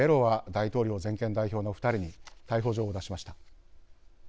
大統領全権代表の２人に逮捕状を出しました。